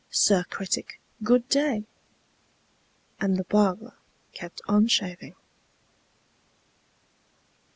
Sir Critic, good day!" And the barber kept on shaving.